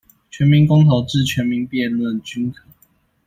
全民公投至全民辯論均可